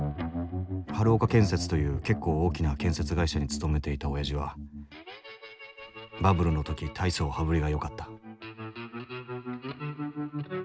春岡建設という結構大きな建設会社に勤めていたおやじはバブルの時大層羽振りがよかった